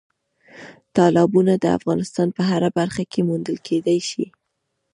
تالابونه د افغانستان په هره برخه کې موندل کېدای شي.